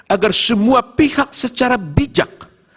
agar semua pihak secara bijak